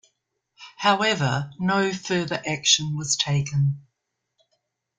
However, no further action was taken.